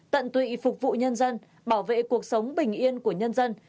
tận tụy phục vụ nhân dân bảo vệ cuộc sống bình yên của nhân dân